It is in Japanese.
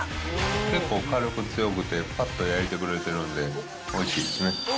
結構火力強くて、ぱっと焼いてくれてるんで、おいしいですね。